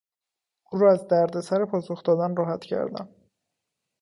او را از دردسر پاسخ دادن راحت کردم.